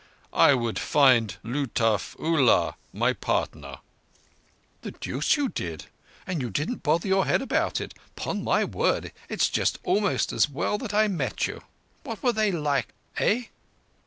I would find Lutuf Ullah, my partner." "The deuce you did? And you didn't bother your head about it? 'Pon my word, it's just almost as well that I met you. What were they like, eh?"